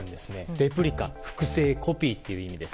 レプリカ、複製・コピーという意味です。